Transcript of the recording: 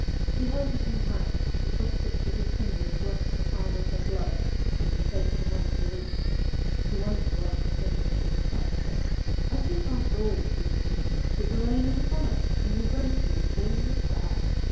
She held up her hand. The soft tips of his fingers brushed the palm of her glove as he placed the money within it. She wondered why his fingers should have touched her. 'I think after all,' he continued, 'that the rain is upon us, and will drench you before you reach the House.